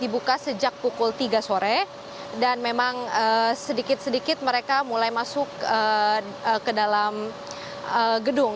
dibuka sejak pukul tiga sore dan memang sedikit sedikit mereka mulai masuk ke dalam gedung